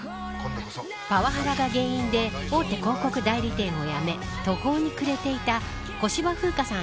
パワハラが原因で大手広告代理店をやめ途方に暮れていた小芝風花さん